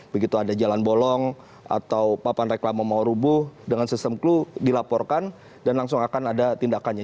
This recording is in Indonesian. begitu ada jalan bolong atau papan reklama mau rubuh dengan sistem clue dilaporkan dan langsung akan ada tindakannya